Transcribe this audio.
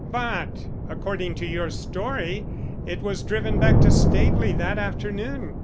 "But, according to your story, it was driven back to Staveley that afternoon.